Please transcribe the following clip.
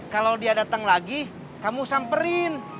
kalau dia datang lagi kamu samperin